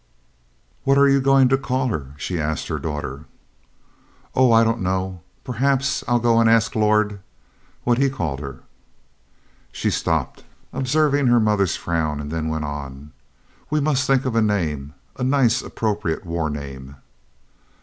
"What are you going to call her?" she asked her daughter. "Oh, I don't know. Perhaps I'll go and ask Lord what he called her." She stopped, observing her mother's frown, and then went on: "We must think of a name, a nice, appropriate war name."